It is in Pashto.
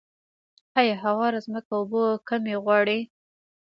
آیا هواره ځمکه اوبه کمې غواړي؟